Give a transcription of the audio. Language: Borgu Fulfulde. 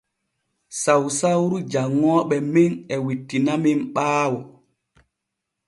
Sausauru janŋooɓe men e wittinamen ɓaawo.